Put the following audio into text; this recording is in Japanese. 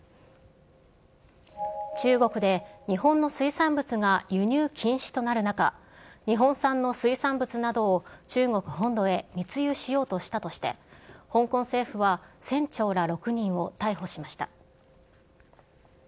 中国で、日本の水産物が輸入禁止となる中、日本産の水産物などを中国本土へ密輸しようとしたとして、香港政府は船長ら６人を逮捕しました。